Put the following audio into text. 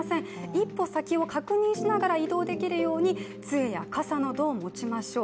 一歩先を確認しながら移動できるようにつえや傘などを持ちましょう。